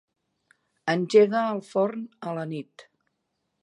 Engega el forn a la nit.